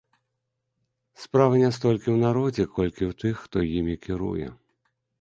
Справа не столькі ў народзе, колькі ў тых, хто імі кіруе.